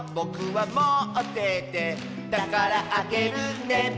「だからあげるね」